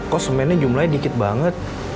kok semennya jumlahnya dikit banget